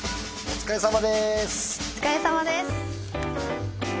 お疲れさまです